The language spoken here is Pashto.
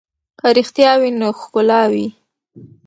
که رښتیا وي نو ښکلا وي.